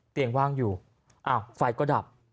เป็นว่างอยู่อ่าไฟก็ดับ